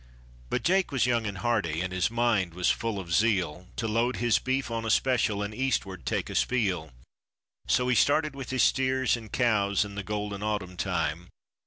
But Jake was young and hearty and his mind was full of zeal To load his beef on a special and eastward take a spiel. So he started with his steers and cows in the golden autumn time.